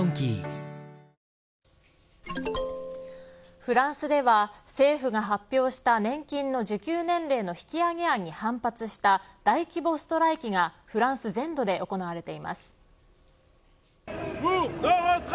フランスでは政府が発表した年金の受給年齢の引き上げ案に反発した大規模ストライキがフランス全土で行われています。